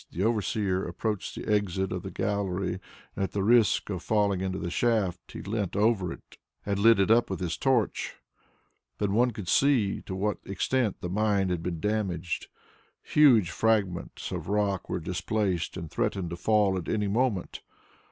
The overseer approached the exit of the gallery, and at the risk of falling into the shaft, he leant over and lit it up with his torch. Then one could see to what extent the mine had been damaged. Huge fragments of rock were displaced and threatened to fall at any moment.